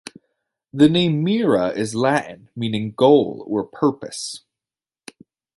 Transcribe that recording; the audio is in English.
The name "mira" is Latin meaning "goal" or "purpose.